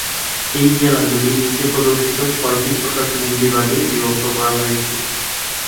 এই জেলাগুলি নীচে প্রদর্শিত ছয়টি প্রশাসনিক বিভাগে বিভক্ত করা হয়েছে।